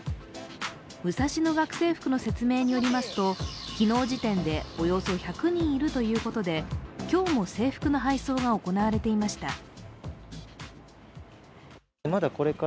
ムサシノ学生服の説明によりますと、昨日時点でおよそ１００人いるということで、今日も制服の配送が行われていました。